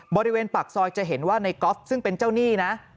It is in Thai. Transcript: บริเวณปากซอยจะเห็นว่าในกอล์ฟซึ่งเป็นเจ้าหนี้นะ